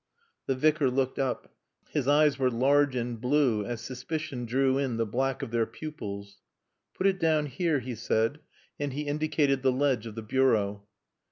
The Vicar looked up. His eyes were large and blue as suspicion drew in the black of their pupils. "Put it down here," he said, and he indicated the ledge of the bureau.